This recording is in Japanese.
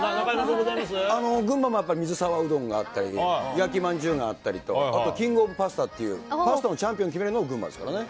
群馬も水沢うどんがあったり、焼きまんじゅうがあったりと、あとキングオブパスタという、パスタのチャンピオン決めるのも群馬ですからね。